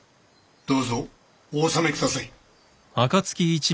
どうぞお納め下さい。